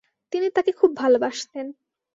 তিনি তাঁকে খুব ভালবাসতেন।